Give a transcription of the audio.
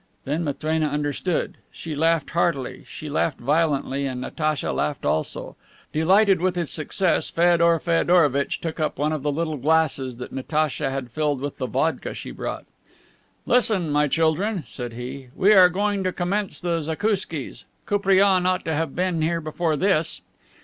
Then Matrena understood. She laughed heartily, she laughed violently, and Natacha laughed also. Delighted with his success, Feodor Feodorovitch took up one of the little glasses that Natacha had filled with the vodka she brought. "Listen, my children," said he. "We are going to commence the zakouskis. Koupriane ought to have been here before this."